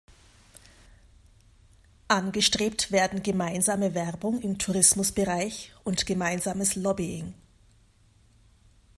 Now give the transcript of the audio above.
Angestrebt werden gemeinsame Werbung im Tourismusbereich und gemeinsames Lobbying.